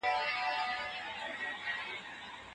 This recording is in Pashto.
داخلي صنعت د پخوا په څير وروسته پاته شو.